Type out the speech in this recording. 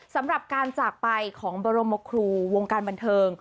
สำหรับการจากไปของบรมครูวงการบันเทิง